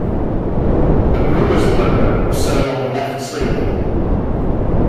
A Brewers logo was sewn on the left sleeve.